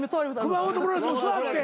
熊元プロレスも座って。